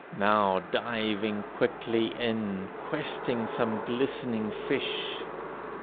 Now diving quickly in, Questing some glistening fish.